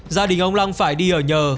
gia đình ông lăng phải đi ở nhờ